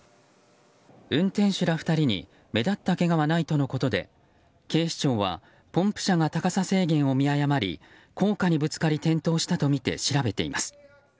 運転手ら２人に目立ったけがはないとのことで警視庁はポンプ車が高さ制限を見誤り高架にぶつかり転倒したとみて調べています。